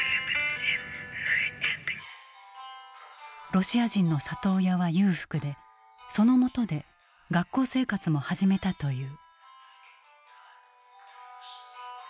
ロシア人の里親は裕福でそのもとで学校生活も始めたという。